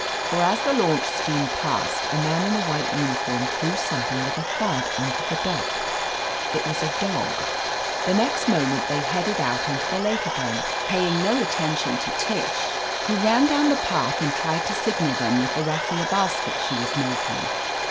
For as the launch steamed past, a man in a white imiform threw something with a thud on to the dock. It was a dog. The next moment they headed 295 '««■. THE AMAZING ADVENTURES out into the lake again, paying no attention to Tish, who ran down the path and tried to sig nal them with the raffia basket she was making.